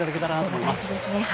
それも大事ですね。